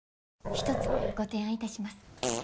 一つご提案いたします。